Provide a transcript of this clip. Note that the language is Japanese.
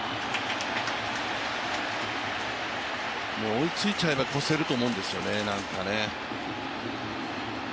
追いついちゃえば越せると思うんですよね、なんかね。